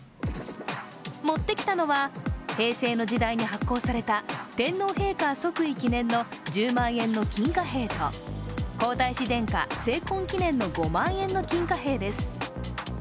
持ってきたのは、平成の時代に発行された天皇陛下即位記念の１０万円の金貨兵と皇太子殿下成婚記念の５万円の金貨幣です。